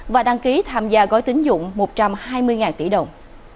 và đăng ký tham gia gói tính dụng một trăm hai mươi tỷ đồng